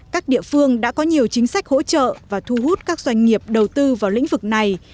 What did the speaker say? các địa phương đã có nhiều chính sách hỗ trợ và thu hút các doanh nghiệp đầu tư vào lĩnh vực này